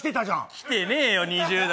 来てねえよ、２０代。